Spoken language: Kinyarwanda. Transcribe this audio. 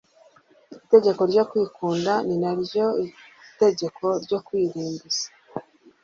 Itegeko ryo kwikunda ni na ryo tegeko ryo kwirimbuza.